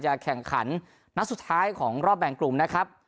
แข่งขันนัดสุดท้ายของรอบแบ่งกลุ่มนะครับ